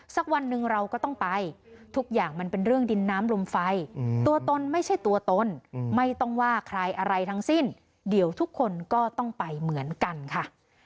สักวันหนึ่งเราก็ต้องไปทุกอย่างมันเป็นเรื่องดินน้ำลมไฟตัวตนไม่ใช่ตัวตนไม่ต้องว่าใครอะไรทั้งสิ้นเดี๋ยวทุกคนก็ต้องไปเหมือนกันค่ะ